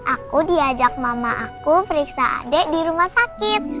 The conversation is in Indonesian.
aku diajak mama aku periksa adik di rumah sakit